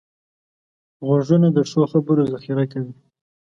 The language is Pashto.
غوږونه د ښو خبرو ذخیره کوي